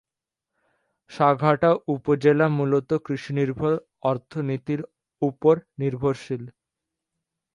সাঘাটা উপজেলা মূলত কৃষি নির্ভর অর্থনীতির উপর নির্ভরশীল।